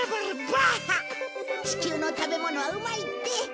地球の食べ物はうまいって！